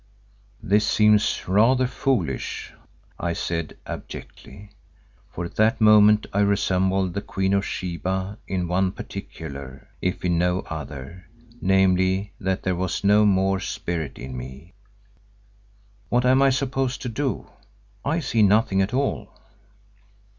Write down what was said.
"This seems rather foolish," I said abjectly, for at that moment I resembled the Queen of Sheba in one particular, if in no other, namely, that there was no more spirit in me. "What am I supposed to do? I see nothing at all."